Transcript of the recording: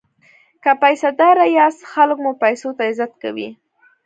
که پیسه داره یاست خلک مو پیسو ته عزت کوي.